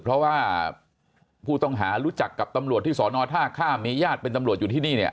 เพราะว่าผู้ต้องหารู้จักกับตำรวจที่สอนอท่าข้ามมีญาติเป็นตำรวจอยู่ที่นี่เนี่ย